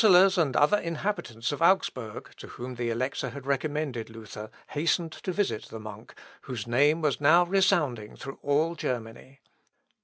The counsellors and other inhabitants of Augsburg, to whom the Elector had recommended Luther, hastened to visit the monk, whose name was now resounding throughout all Germany.